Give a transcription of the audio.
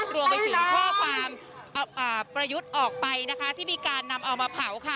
รวมไปถึงข้อความประยุทธ์ออกไปนะคะที่มีการนำเอามาเผาค่ะ